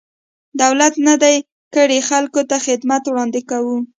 دولت نه دی کړی، خلکو ته خدمات وړاندې کوو.